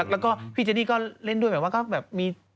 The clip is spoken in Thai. แล้วก็พี่เจนี่ก็เล่นด้วยแบบว่าก็แบบมี